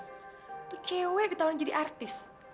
itu cewek di tahun jadi artis